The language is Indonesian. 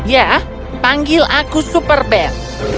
ya panggil aku super band